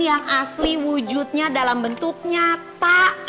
yang asli wujudnya dalam bentuk nyata